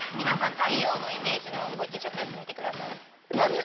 皆さん太陽のイメージの動きちょっとやってみてください何？